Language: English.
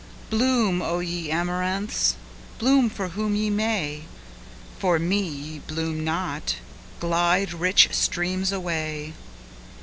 Bloom, O ye amaranths! bloom for whom ye may, For me ye bloom not! Glide, rich streams, away!